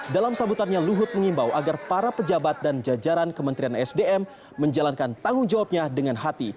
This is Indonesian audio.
dalam sambutannya luhut mengimbau agar para pejabat dan jajaran kementerian sdm menjalankan tanggung jawabnya dengan hati